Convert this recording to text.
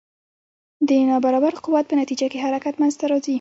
د نا برابر قوت په نتیجه کې حرکت منځته راځي.